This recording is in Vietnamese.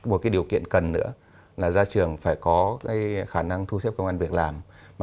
một điều kiện cần nữa là ra trường phải có khả năng thu xếp công an việc làm